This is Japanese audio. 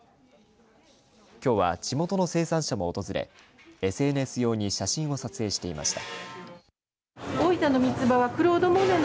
きょうは地元の生産者も訪れＳＮＳ用に写真を撮影していました。